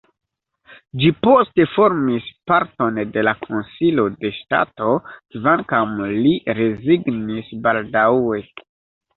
Ĝi poste formis parton de la Konsilo de ŝtato, kvankam li rezignis baldaŭe.